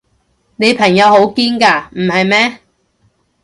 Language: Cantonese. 你朋友好堅㗎，唔係咩？